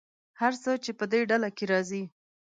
هر څه چې په دې ډله کې راځي.